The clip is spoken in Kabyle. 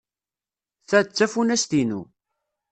Ta d tafunast-inu.